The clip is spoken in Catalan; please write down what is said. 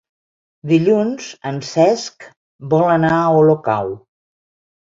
Dilluns en Cesc vol anar a Olocau.